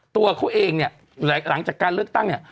ตัวเขาเองเนี่ยหลังจากการเลือกตั้งเนี่ย